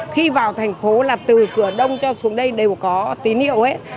khi vào thành phố là từ cửa đông cho xuống đây đều có tín hiệu hết